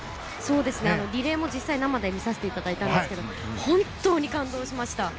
リレーも実際に生で見させてもらいましたが本当に感動しました。